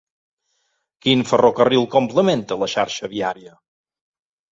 Quin ferrocarril complementa la xarxa viària?